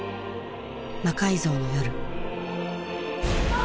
「魔改造の夜」